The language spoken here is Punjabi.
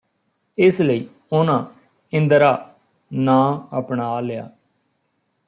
ਇਸ ਲਈ ਉਨ੍ਹਾਂ ਇੰਦਰਾ ਨਾਂ ਅਪਣਾ ਲਿਆ